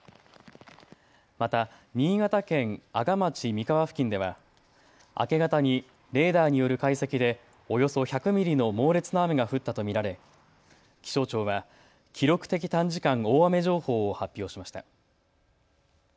また新潟県阿賀町三川付近では明け方にレーダーによる解析でおよそ１００ミリの猛烈な雨が降ったと見られ気象庁は記録的短時間大雨情報を発表しました。